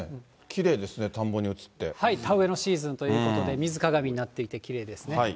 きれいですね、田植えのシーズンということで、水鏡になっていて、きれいですね。